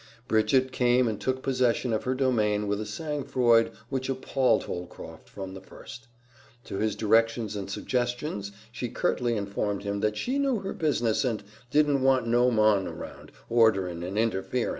Bridget came and took possession of her domain with a sangfroid which appalled Holcroft from the first. To his directions and suggestions, she curtly informed him that she knew her business and "didn't want no mon around, orderin' and interferin'."